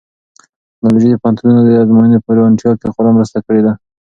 ټیکنالوژي د پوهنتونونو د ازموینو په روڼتیا کې خورا مرسته کړې ده.